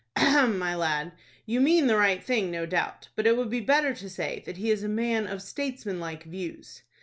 "Ahem, my lad. You mean the right thing, no doubt; but it would be better to say that he is a man of statesman like views."